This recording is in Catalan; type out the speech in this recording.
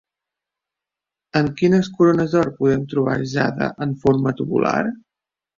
En quines corones d'or podem trobar jade en forma tubular?